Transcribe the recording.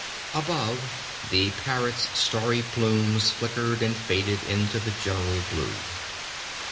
Above, the Parrot's starry plumes flickered and faded into the general blue.